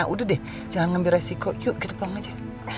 udah deh jangan ngambil resiko yuk kita pulang aja